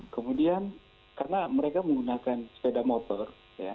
kemudian karena mereka menggunakan sepeda motor